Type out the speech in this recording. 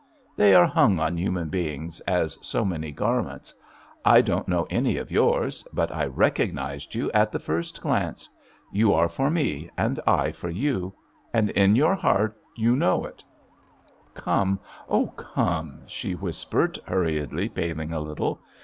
— they are hung on human beings as so many garments. I don't know any of yours, but I recognized you at the first glance. You are for me and I for you I And in your heart, you know it I" "Come, oh, come I" she whispered hur riedly, paling a little.